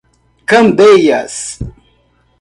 Candeias